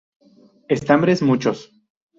Estambres muchos.